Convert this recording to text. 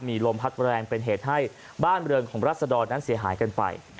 มีลมพัดแรงเป็นเหตุให้บ้านเมืองของรัศดรนั้นเสียหายกันไป